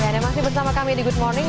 tetap bersama kami di good morning